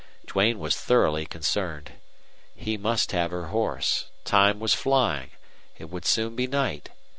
Duane was thoroughly concerned. He must have her horse. Time was flying. It would soon be night.